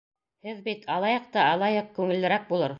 Һеҙ бит: алайыҡ та, алайыҡ, күңеллерәк булыр...